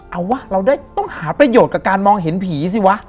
เอาวะเราได้ต้องหาประโยชน์กับการมองเห็นผีสิวะ